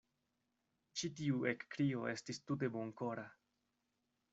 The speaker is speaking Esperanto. Ĉi tiu ekkrio estis tute bonkora.